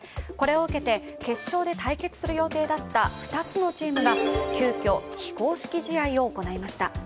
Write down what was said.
これを受けて決勝で対決する予定だった２つのチームが急きょ非公式試合を行いました。